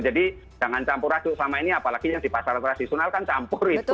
jadi jangan campur campur sama ini apalagi yang di pasar tradisional kan campur itu